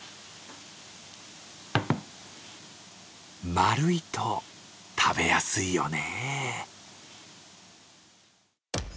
丸いと食べやすいよね。